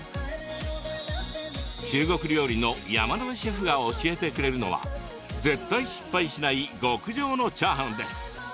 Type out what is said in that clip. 中国料理の山野辺シェフが教えてくれるのは絶対失敗しない極上のチャーハンです。